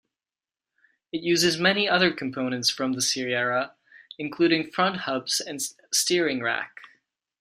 It uses many other components from the Sierra, including front hubs and steering rack.